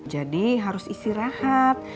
jadi harus istirahat